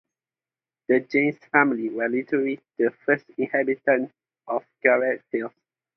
The James family were literally the first inhabitants of Garrett Hill.